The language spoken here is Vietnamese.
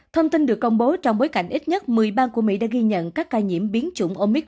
thông tin được công bố trong bối cảnh ít nhất một mươi bang của mỹ đã ghi nhận các ca nhiễm biến chủng omic